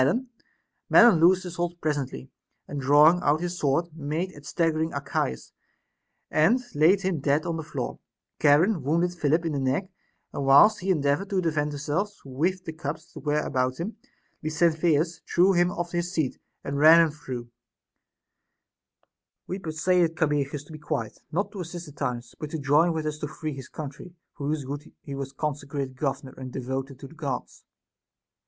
Melon loosed his hold presently, and drawing out his sword, made at staggering Archias, and laid him dead on the floor ; Charon wounded Philip in the neck, and whilst he endeavored to defend himself with the cups that were about him, Lysitheus threw him off his seat, and ran him through. We persuaded Cabirichus to be quiet, not to assist the tyrants, but to join with us to free 420 A DISCOURSE CONCERNING his country, for whose good he was consecrated governor and devoted to the Gods.